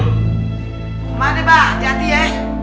kemana deh mbak hati hati ya